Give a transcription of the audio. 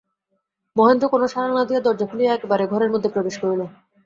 মহেন্দ্র কোনো সাড়া না দিয়া দরজা খুলিয়া একেবারে ঘরের মধ্যে প্রবেশ করিল।